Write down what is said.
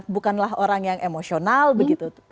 bukanlah orang yang emosional begitu